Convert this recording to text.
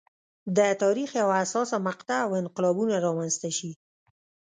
د تاریخ یوه حساسه مقطعه او انقلابونه رامنځته شي.